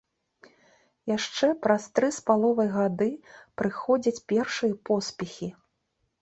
Яшчэ праз тры з паловай гады прыходзяць першыя поспехі.